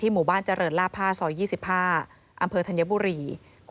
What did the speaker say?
ที่หมู่บ้านเจริญล่าผ้า๒๕ดตทัญบุรี